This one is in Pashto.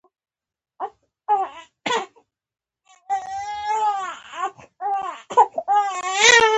سوپرایلیویشن د باران اوبه له سرک څخه لرې کوي